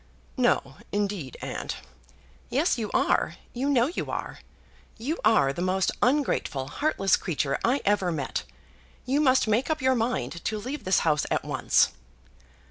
"No, indeed, aunt," "Yes, you are; you know you are. You are the most ungrateful, heartless creature I ever met. You must make up your mind to leave this house at once."